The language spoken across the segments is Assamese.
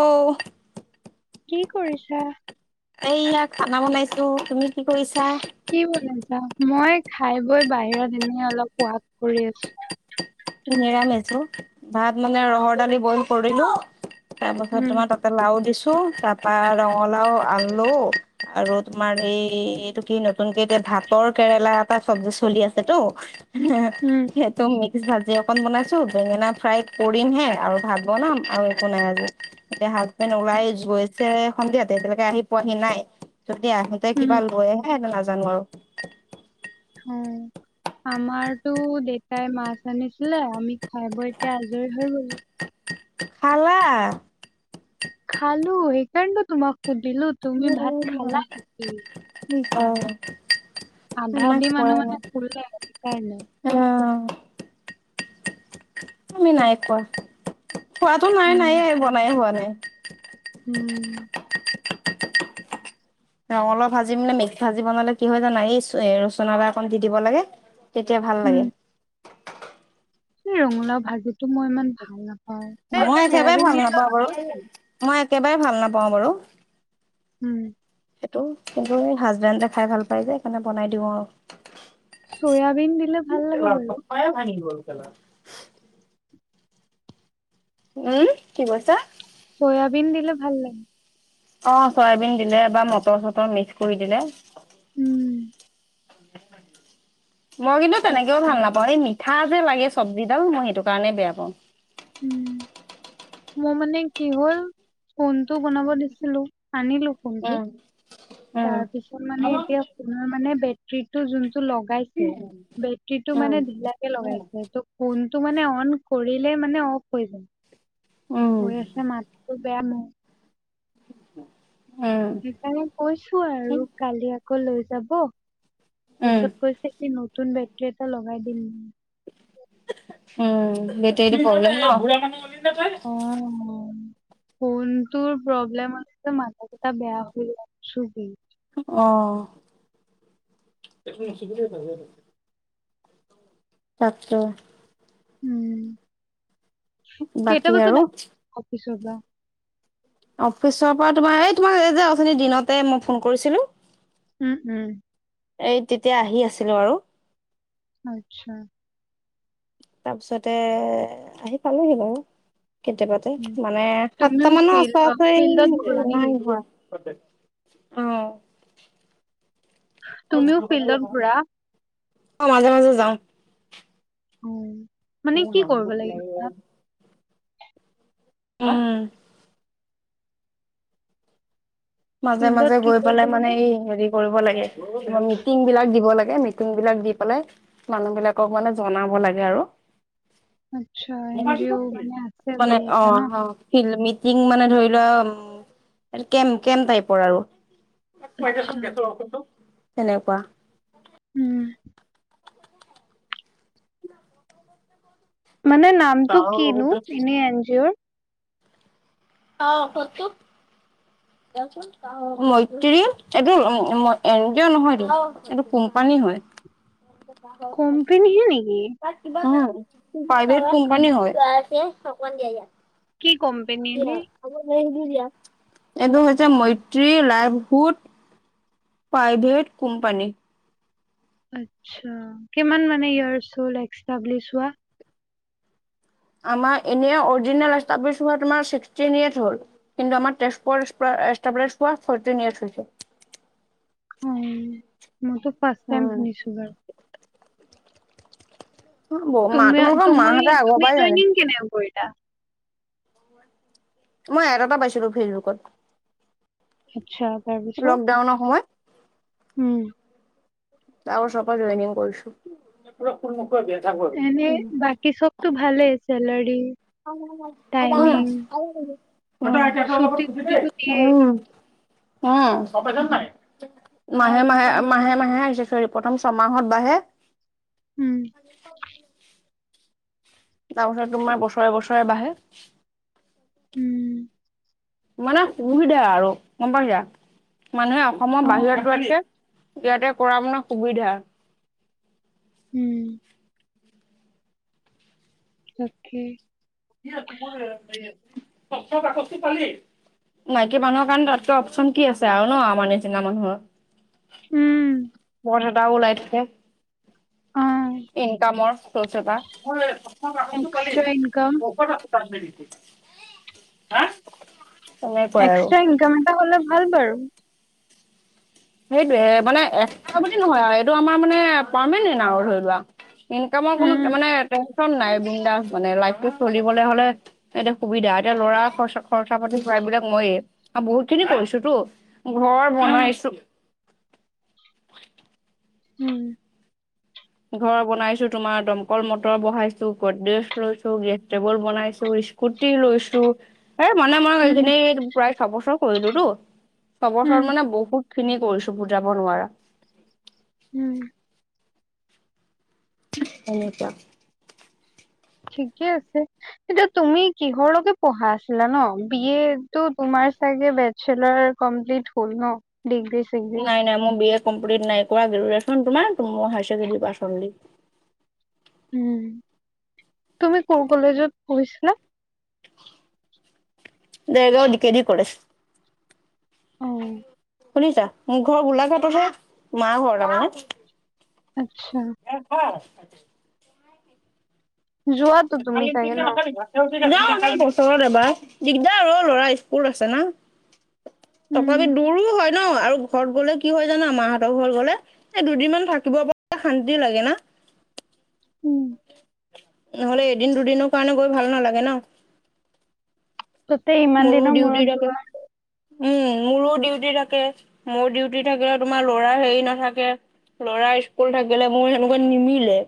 অহ। কি কৰিছা। এইয়া খানা বনাইছো। তুমি কি কৰিছা। কি বনাইছা? মই খাই বৈ বাহিৰৰ দিনেই অলপ ৱাক কৰি আছো। নিৰামিছো ভাত মানে ৰহৰ দালি বইল কৰিলো। তাৰপাছত উম, তোমাৰ তাতে লাও দিছো। তো তাৰপা ৰঙালাওঁ, আলু আৰু তোমাৰ এই এইটো কি নতুন কে যে। ভাতৰ কেৰেলা এটা চব্জি চলি আছে টো হে হৈ উম, সেইটো মিক্স ভা। জি অকণ বনাইছোঁ। বেঙেনা ফ্ৰাই কৰিমহে আৰু ভাত বনাম আৰু একো নাই আজি এতিয়া ভাত। ওলাই গৈছে সন্ধিয়াতে এতিয়ালেকে আহি পোৱাহি নাই। যদি আহোঁতে উম। কিবা লৈ আহে সেটো নাজানো আৰু। অ', আমাৰটো দেত। তাই মাছ আনিছিলে আমি খাই বৈ এতিয়া আজৰি হৈ গলো। খালা। কাৰনেটো তোমাক সুধিলো তুমি ভাত খালা নেকি? অ, আধা আমাৰ আধি খোৱাই মানুহ মানে নাই শুলে সেইকাৰণে। অ আমি নাই খোৱা। খোৱাটো নাই উম, নায়ে, বনাইয়ে হোৱা নাই। উম। ৰঙালাওৰ ভাজি মানে মিক্স ভাজি বনালে কি হয় জানা। এই লক্ষচোন আদা অকণ দি দিব লাগে। তেতিয়া ভাল লাগে। ৰঙালাওঁ ভাজিটো মই ইমান ভাল নাপাওঁ। এই মই একেবাৰে চয়াবিন ভাল দিলে নাপাওঁ বাৰু। ভাল লাগে। মই একেবাৰে ভাল নাপাওঁ বাৰু। উম। সেইটো কিন্তু হাজবেণ্ডে খাই ভাল পায় যে সেইকাৰণে বনাই দিওঁ আৰু। চয়াবিন দিলে ভাল লাগে বাৰু। [unintelligible] উম কি কৈছা? চয়াবিন দিলে ভাল লাগে। অ চয়াবিন দিলে বা মটৰ চটৰ মিক্স কৰি দিলে। উম। মই কিন্তু তেনেকেও তাকে। ভাল নাপাওঁ। এই মিঠা যে লাগে চব। জিগাল মই সেইটো কাৰণেই বেয়া পাওঁ। উম, মোৰ মানে কি হ'ল, ফোনটো বনাব দিছিলো। আনিলো ফোনটো। উম। তাৰপিছত মানে এতিয়া ফোনৰ মানে বেটৰীটো যোন। ত লগাইছে। বেটৰীটো মানে ঢিলাকে লগাইছে, ত ফোন টো মানে অন কৰিলে মানে অফ হৈ যায়। হৈ আছে মাতটো বেয়া মোৰ। [inaudible] সেইকাৰণে কৈছো আৰু কালি আকৌ লৈ যাব তাৰছত কৈছে ই নতুন বেটৰী এটা লগাই দিম [unintelligible] উম, বেটৰি প্ৰব্লেম অ [unintelligible] ফোনটোৰ প্ৰব্লেম আছে মাথা সঠা বেয়া হৈ যায় আহবি [unintelligible] পাতে উম, কেইটা বাকী বজাত আৰু অফিচত অফিচৰ পৰা তোমাৰ এই তোমাৰ যে অ', দিনতে মই ফোন কৰিছিলো উম, উম। এই তেতিয়া আহি আছিলো আৰু আচ্ছা [unintelligible] তাৰপিছতে আহি পালোহি বাৰু [unintelligible] কেতিয়া বাতে উম, মানে তুমিও সাতটা মানৰ ফিল অ ফিল্ডত ঘূৰা নেকি? ওচৰা-ওচৰি অ',। তুমিও ফিল্ডত ঘূৰা? অ', মাজে, মাজে যাও [unintelligible] উ, মানে কি কৰিব লাগিব তাত উম। [unintelligible] মাজে, ফিল্ডত মাজে কি গৈ কৰিব পেলে মানে লাগে? এই হেৰি কৰিব লাগেিব মিটিং বিলাক দিব লাগে মিটিং বিলাক দি পেলাই মানুহ বিলাকক মানে জনাব লাগে আৰু আচ্ছা, এন জি অ' মানে আছে মানে বুলি এটা অ', ন? অ', ফিল [unintelligible] পিঃ মানে ধৰি লোৱা কেম, কেম টাইপৰ আৰু আচ্ছা, [unintelligible] তেনেকুৱা উম, মানে নামটো কিনো এ এনজি অৰ অ'! কওঁকচোন? [unintelligible] [unintelligible] এইটো এন জি অ নহয় ত' এইটো কোম্পানী হয়। কোম্পেনীহে নেকি? [unintelligible] প্ৰভেট কোম্পানী উম। হয় অকমান দিয় ইয়াত, কি, কম এইটো হৈছে মৈত্ৰী লাইভহুড প্ৰাইভেট কোম্পানী আচ্ছা কিমান মানে য়েৰচ হ'ল এছটাব্লিছ হোৱা আমাৰ এনেই অৰিজিনেল এষ্টাবিল্ছ হোৱা তোমাৰ ছিক্সটিন ইয়েছ হ'ল কিন্তু আমাৰ তেজপুৰ অষ্টাবিৰিছ পোৱা হৈছে ফৰ্তিন য়েৰাছ হৈছে অ', মইতো ফাৰ্ষ টাইম শুনিছো বাৰু মা তুমি তোমালোকৰ মাহঁতে আগৰ তুমি পৰাই জানে জইনিং কেনে কৰিলা [unintelligible] মই এড এটাট পাইছিলো ফেচবুকত আচ্ছা তাৰপিছত লকডাউনৰ সময়ত উম, [unintelligible] চফা জইনিং কৰিছো এনে উম বাকী চবতো ভালেই চেলাৰী টাইমিং [unintelligible] [unintelligible] মাহে, ছুটি টুটিটো দিয়ে উম মাহে, মাহে, মাহে আহিছে চৰী প্ৰথম ছমাহত বাঢ়ে উম তাৰপাছত তোমাৰ বছৰে, বছৰে বাঢ়ে [unintelligible] উম, মানে সুবিধা আৰু, গম পাইসা মানুহে অসমৰ অ বাহিৰত এনেকে ইয়াতে কৰা মানে সুবিধা উম তাকে। [unintelligible] মাইকী মানুহৰ কাৰণে তাতকৈ অপচন কি আছে আৰু ন আমাৰ নিচিনা মানুহৰ। উম পথ এটা ওলায় থাকে অ ইনকামৰ এক্সট্ৰা [unintelligible] ইনকাম [unintelligible] আৰু এক্সট্ৰা ইনকাম এটা হলে ভাল বাৰু সেইটোয়ে মানে এক টকা বুলি নহয় আৰু এইটো আমাৰ মানে পাৰ্মেণ্ট আৰু ধৰি লোৱা ইনকামৰ কোনো উম মানে নাই বৃন্দাস মানে লাইফটো চলিবলৈ হলে এতিয়া সুবিধা এতিয়া ল'ৰা খৰচ খৰচা পাতিৰা এইবিলাক মইয়ে বহুত খিনি কৰিছো তো ঘৰ উম বনাইছো উম ঘৰ বনাইছো তোমাৰ দমকল মটৰ বহাইছো গৌদেছ লৈছো গেছ টেবুল বনাইছো স্কুটি লৈছো এ মানে মানে উম এইখিনি প্ৰায় ছয় বছৰ কৰিলো টো ছয়ছৰত উম মানে বহুত খিনি কৰিছো বুজাব নোৱাৰা উম এনেকুৱা ঠিকে আছে এতিয়া তুমি কিহৰলৈকে পঢ়া আছিলা ন বিয়ে টো তোমাৰ বেচেলাৰ কমপ্লিট হল ন ডিগ্ৰী চিগ্ৰী নাই নাই মোৰ বি এ কমপ্লিট নাই কৰা গ্ৰেজুৱেচন তোমাৰ ম higher secondary pass only um তুমি কোন কলেজত পঢ়িছিলা দেৰগাঁও দি কে ডি কলেজ। উম শুনিছা মোৰ ঘৰৰ গোলাঘাটত হে মা ঘৰ তাৰমানে। আচ্ছা [unintelligible] যোৱাতো তুমি চাগে ন [unintelligible] বছৰত এবাৰ দিগদাৰ আৰু ল'ৰা স্কুল আছে না। উম তথাপি দূৰো হয় ন আৰু ঘৰত গলে কি হয় জানা মাহতৰ ঘৰত গলে এই দুদিন মান থাকিব পৰা শানতি লাগে না [inaudible] নহ'লে এদিন দুদিনৰ কাৰণে গৈ ভাল নালাগে ন। তাতে ইমান মোৰো দিনৰ ডিউটি মূৰত থাকে। যোৱা উম, মোৰো ডিউটি থাকে মোৰ ডিউটি থাকিলে তোমাৰ ল'ৰা হেৰি নাথাকে। ল'ৰা স্কুল থাকিলে মোৰ সেনেকুৱা নিমিলে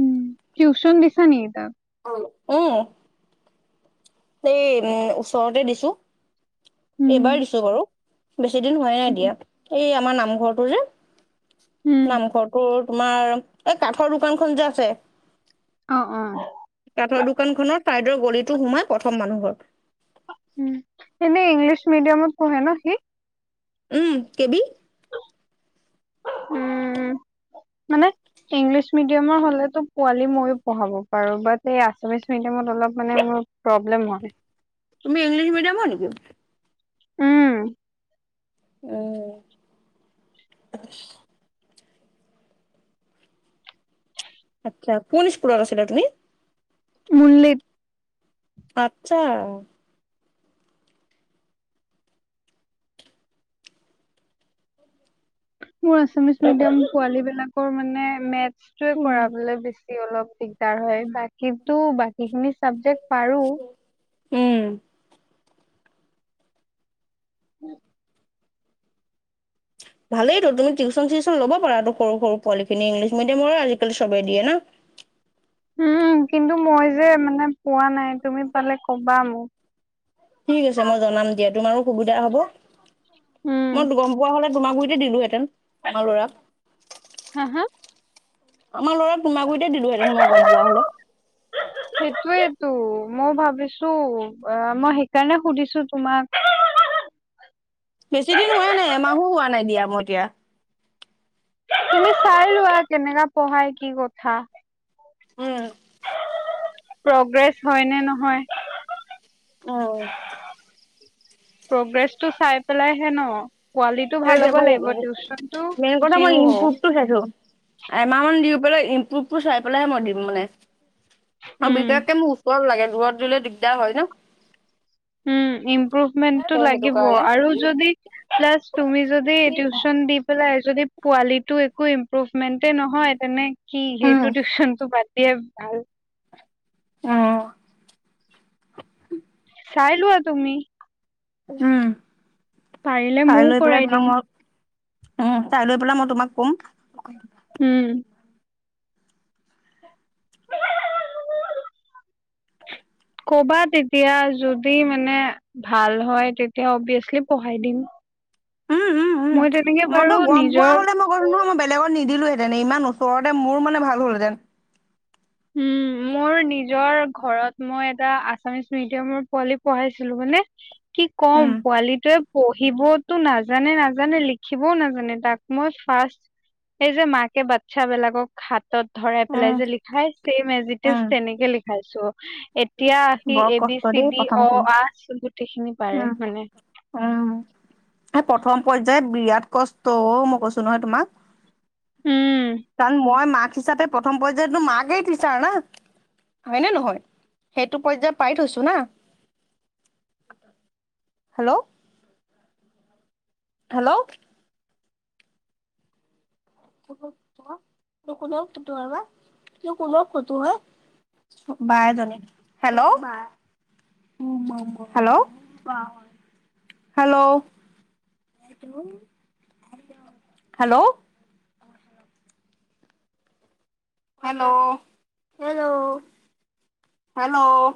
উম, টিউচন দিছা নেকি তাক। উম এই উ ওচৰতে দিছো উম এইবাৰ দিছো বাৰু বেছি দিন হোৱাই নাই এতিয়া এই আমাৰ নামঘৰটো যে উম, নামঘৰটোত তোমাৰ এই কাঠৰ দোকানখন যে আছে অ অ কাঠৰ দোকান খনত চাইদৰ গলিটো সোমাই প্ৰথম মানুহ ঘৰ। উম এনে ইংলিছ মিডিয়ামত পঢ়ে ন সি উম কেবি উম। মানে ইংলিছ মিডিয়ামৰ হলেতো পোৱালি ময়ো পঢ়াব পাৰো বাট এই আছামিছ মিডিয়ামত অলপ মানে ম প্ৰব্লেম হয় তুমি ইংলিছ মিডিয়ামৰ নেকি উম অ আচ্ছা কোন স্কুলত আছিলা তুমি মুল্লিত আত্ছা মোৰ আছামিছ সেইটো কথা। মিডিয়াম পোৱালি বিলাকৰ মানে মেথছটোয়ে উম, কৰাবলে বেছি অলপ দিগদাৰ হয় বাকীটো বাকী খিনি চাবজেক্ট পাৰো উম। উম [unintelligible] [inaudible] ভালেইটো তুমি টিউচন চিউচন ল'ব পাৰাটো সৰু সৰু পোৱালখিনি, ইংলিছ মিডিয়ামৰ আজিকালি চবেই দিয়ে না। [inaudible] উম কিন্তু মই যে মানে পোৱা নাই তুমি পালে কবা মোক ঠিক আছে মই জনাম দিয়া, তোমাৰো সুবিধা হ'ব। উম মই গম পোৱা হলে তোমাৰগুৰিতে দিলো হেতেন আমাৰ ল'ৰাক হা হা? আমাৰ ল'ৰা তোমাগুৰিতে দিলোহেঁতেন মই গম পোৱা হলে তো মই ভাবিছো অ মই সেইকাৰণে সুধিছো তোমাক। [inaudible] অ দিয়া তুমি চাই লোৱা কেনেকা পঢ়াই কি কথা উম। প্ৰগ্ৰেছ হয় নে নহয় অ প্ৰগ্ৰেছ টো চাই পেলাই হে ন কোৱালিটো সেই ভাল যে হ'ব মই লাগিব টিউচনটো মেইন কথা মই যিও হওক ইনপুটটো চাইছো এমাহমান দি পেলাই ইম্প্ৰুভটো চাই পেলাইহে মই দিম মানে। আৰু উম বিশেষকে মোক ওচৰত লাগে। দূৰত দিলে দিগদাৰ হয় ন। উ ইম্প্ৰুভমেন্টটো ত' সেইটো লাগিব কাৰণে আৰু যদি প্লাছ তুমি যদি টিউচন দি পেলাই যদি পোৱালিটো একো ইম্প্ৰুভমেন্টে নহয় তেনে কি উম। সেইটো টিউচনটো বাদ দিয়ায়ে ভাল অ চাই লোৱা তুমি উম পাৰিলে চাই ময়ও লৈ পেলাই কৰাই তোমাক দিম মই উম চাই লৈ পেলাই মই তোমাক কম উম। [inaudible] ক'বা তেতিয়া যদি মানে ভাল হয়, তেতিয়া অবিয়াচলি পঢ়াই দিম। উম উম উম মই তেনেকে বাৰু মইতো গম পোৱা নিজৰ হ'লে মই ক'লো নহয় মই বেলেগত নিদি দিলোহেতেন ইমান ওচৰতে মোৰ মানে ভাল হলহেঁতেন উম মোৰ নিজৰ ঘৰত মই এটা আছামিচ মিডিয়ামৰ পোৱালি পঢ়াইছিলো মানে কি ক'ম উম পোৱালিটোয়ে পঢ়িবতো নাজানে নাজানে লিখিবও নাজানে তাক মই ফাৰ্ষ্ট এই যে মাকে বাতছা বিলাকক হাত তত ধৰাই উম পেলাই যে লিখাই, ছেম এজিটিভ উম তেনেকে লিখাইছো। এতিয়া আহি বৰ এ বি কষ্ট চি দেই ডি অ প্ৰথমখিনি আ গোটেইখিনি পাৰে উম মানে উম এই প্ৰথম পৰ্যায় বিৰাট কষ্ট অ মই কৈছো নহয় তোমাক উম কাৰণ মই মাক হিচাপে প্ৰথম পৰ্যায়তো মাকেই থটিছাৰ না। হয়নে নহয় সেইটো পৰ্যায়ত পাই থৈছো না। উ [inaudible] হেল্ল', হেল্ল', তো কোনেও ফুটো আৰু বা ক কোনেও ফুটো হয় [unintelligible] বাই ধী hello, bye hello, - hello, hello, hello, - hello,